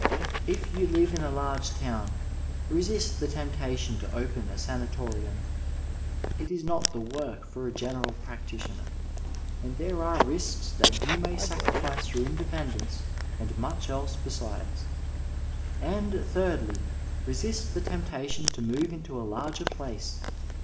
If 436 Digitized by VjOOQIC THE STUDENT LIFE yon Kve in a large town, lesbt the temptation to open a sanatorinnL It is not the work for a general practitioner, and there are risks that you may sacrifice your independence and much else besides. And, thirdly, resist the temptation to move into a hu^er place.